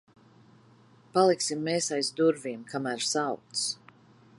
Paliksim mēs aiz durvīm, kamēr sauc.